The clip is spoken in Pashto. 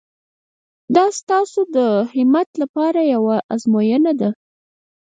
دا ستاسو د همت لپاره یوه ازموینه ده.